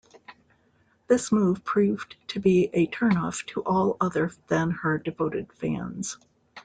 This move proved to be a turn-off to all other than her devoted fans.